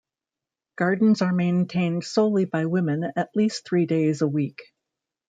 Gardens are maintained solely by women, at least three days a week.